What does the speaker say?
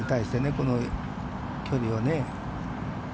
この距離をね。